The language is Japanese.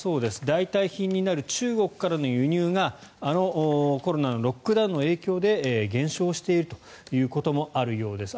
代替品になる中国からの輸入がコロナのロックダウンの影響で減少しているということもあるようです。